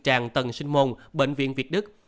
bệnh nhân được tràn tầng sinh môn bệnh viện việt đức